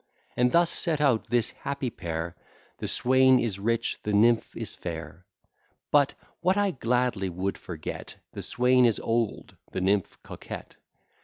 And thus set out this happy pair, The swain is rich, the nymph is fair; But, what I gladly would forget, The swain is old, the nymph coquette.